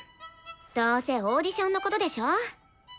どうせオーディションのことでしょ？